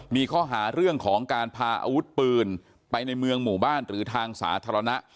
มีข้อหาเรื่องของการพาอาวุธปืนไปในเมืองหมู่บ้านหรือทางสาธารณะ